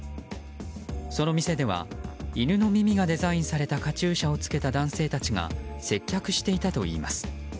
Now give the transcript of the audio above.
その店では犬の耳がデザインされたカチューシャを着けた男性たちが接客していたといいます。